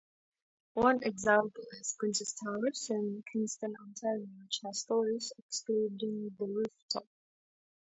One example is Princess Towers in Kingston, Ontario, which has stories excluding the roof-top.